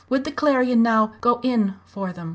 Would the Clarion now "go in" for them?